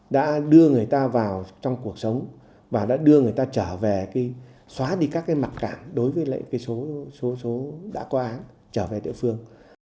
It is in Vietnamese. đã đưa người ta vào trong cuộc sống và đã đưa người ta trở về xóa đi các mặt cản đối với số đã có án trở về địa phương